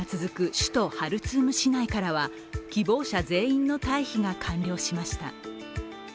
首都ハルツーム市内からは、希望者全員の退避が完了しました。